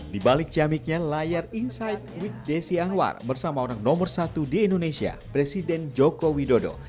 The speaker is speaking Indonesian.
di balik ciamiknya layar insight with desi anwar bersama orang nomor satu di indonesia presiden joko widodo